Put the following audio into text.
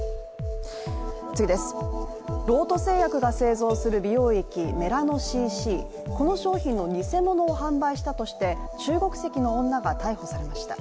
ロート製薬が製造する美容液メラノＣＣ．この商品の偽物を販売していたとして中国籍の女が逮捕されました。